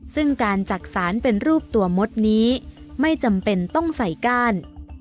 ซึ่งการจักษานเป็นรูปตัวมดนี้ไม่จำเป็นต้องใส่ก้าน